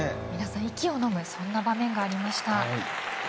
みなさん、息をのむそんな場面がありました。